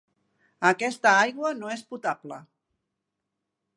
Aquesta aigua no és potable.